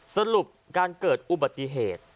สรุปการเกิดอุบัติเหตุ